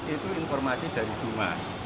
itu informasi dari dumas